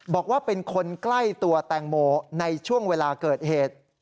บอกว่าเป็นคนใกล้ตัวแตงโมในช่วงเวลาเกิดเหตุ